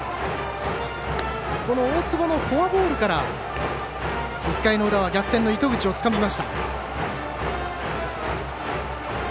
大坪のフォアボールから１回の裏は逆転の糸口をつかみました。